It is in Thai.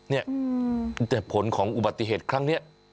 เนี่ยแต่ผลของอุบัติเหตุครั้งนี้